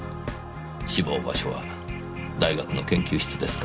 死亡場所は大学の研究室ですか。